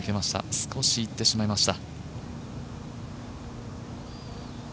少しいってしまいました。